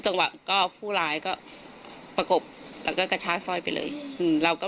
จังหวะก็ผู้ร้ายก็ประกบแล้วก็กระชากสร้อยไปเลยอืมเราก็